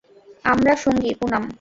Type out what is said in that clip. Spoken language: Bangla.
আমরা সঙ্গী, পুনাম।